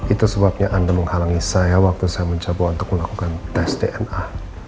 itu sebabnya anda menghalangi saya waktu saya mencoba untuk melakukan tes dna